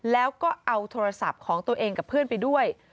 แล้วก็เอาโทรศัพท์ของตัวเองกับเพื่อนไปด้วย